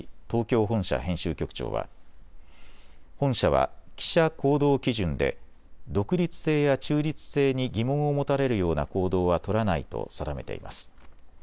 東京本社編集局長は本社は記者行動基準で独立性や中立性に疑問を持たれるような行動は取らないと定めています。